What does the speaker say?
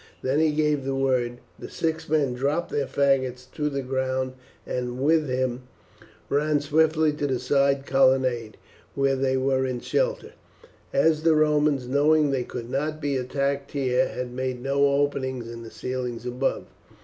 Then he gave the word; the six men dropped their faggots to the ground, and with him ran swiftly to the side colonnade, where they were in shelter, as the Romans, knowing they could not be attacked here, had made no openings in the ceiling above.